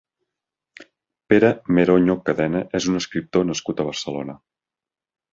Pere Meroño Cadena és un escriptor nascut a Barcelona.